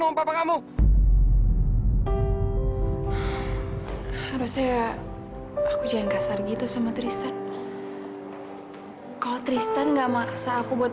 mau papa kamu harusnya aku jangan kasar gitu sama tristan kalau tristan nggak memaksa aku buat